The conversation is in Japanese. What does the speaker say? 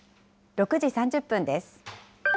６時３０分です。